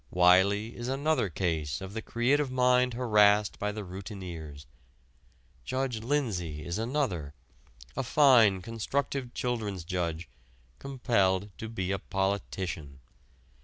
Wiley is another case of the creative mind harassed by the routineers. Judge Lindsey is another a fine, constructive children's judge compelled to be a politician.